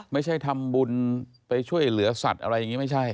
ไม่ใช่ทำบุญไปช่วยเหลือสัตว์อะไรอย่างนี้ไม่ใช่